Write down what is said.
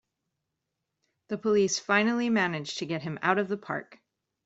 The police finally manage to get him out of the park!